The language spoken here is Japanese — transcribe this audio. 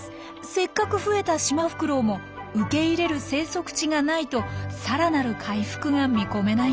せっかく増えたシマフクロウも受け入れる生息地がないとさらなる回復が見込めないんです。